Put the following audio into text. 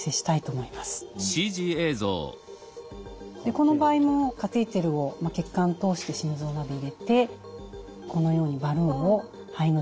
この場合もカテーテルを血管通して心臓まで入れてこのようにバルーンを肺の静脈まで持っていきます。